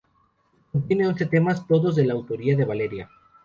Contiene once temas, todos de la autoría de Valeria.